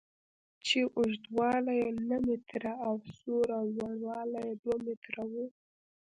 چې اوږدوالی یې نهه متره او سور او لوړوالی یې دوه متره و.